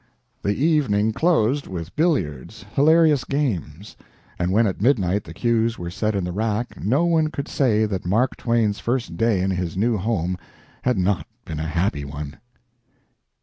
The evening closed with billiards, hilarious games, and when at midnight the cues were set in the rack no one could say that Mark Twain's first day in his new home had not been a happy one.